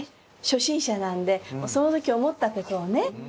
初心者なんでその時思ったことをね。